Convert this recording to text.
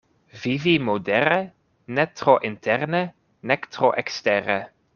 Vivi modere, ne tro interne nek tro ekstere.